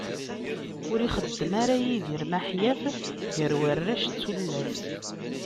Ur ixeddem ara Yidir maḥyaf gar warrac d tullas.